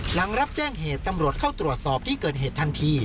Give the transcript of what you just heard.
หลังรับแจ้งเหตุตำรวจเข้าตรวจสอบที่เกิดเหตุทันที